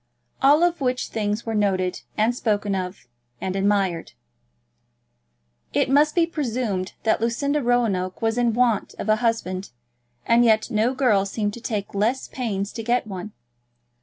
All of which things were noted, and spoken of, and admired. It must be presumed that Lucinda Roanoke was in want of a husband, and yet no girl seemed to take less pains to get one.